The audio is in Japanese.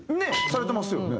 されてますよね。